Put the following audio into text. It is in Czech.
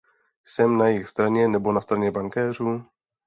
Jsem na jejich straně nebo na straně bankéřů?